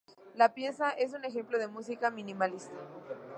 La pieza es un ejemplo de música minimalista.